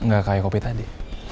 gak kayak kopi tadi